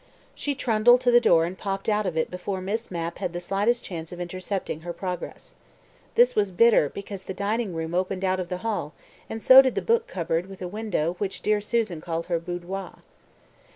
She trundled to the door and popped out of it before Miss Mapp had the slightest chance of intercepting her progress. This was bitter because the dining room opened out of the hall, and so did the book cupboard with a window which dear Susan called her boudoir.